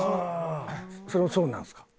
それはそうなんですか？